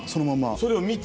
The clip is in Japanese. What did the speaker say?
それを見て？